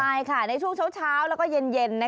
ใช่ค่ะในช่วงเช้าแล้วก็เย็น